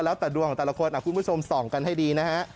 ไม่เอาแต่รัวของตาและขวดคุณผู้ชมส่องกันให้ดีนะฮะ